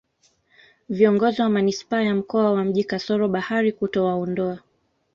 viongozi wa manispaa ya mkoa wa mji kasoro bahari kutowaondoa